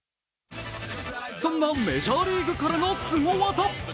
そんなメジャーリーグからのスゴ技。